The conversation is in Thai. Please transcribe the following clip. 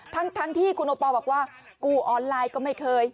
ทั้งที่คุณโอปอลบอกว่ากูออนไลน์ก็ไม่เคย